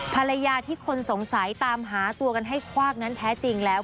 ภรรยาที่คนสงสัยตามหาตัวกันให้ควากนั้นแท้จริงแล้ว